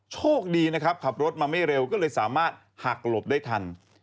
โชคดีนะครับขับรถมาไม่เร็วก็เลยสามารถหักหลบได้ทัน